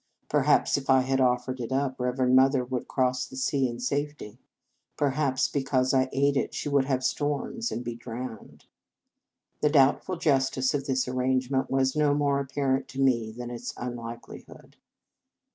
Perhaps if I had offered it up, Reverend Mother would cross the sea in safety. Perhaps, be cause I ate it, she would have storms, and be drowned. The doubtful justice of this arrangement was no more ap parent to me than its unlikelihood.